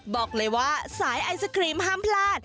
บอกเลยว่าสายไอศครีมห้ามพลาด